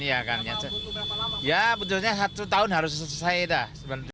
ya betulnya satu tahun harus selesai dah